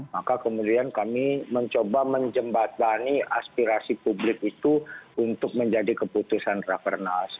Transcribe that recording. maka kemudian kami mencoba menjembatani aspirasi publik itu untuk menjadi keputusan rakernas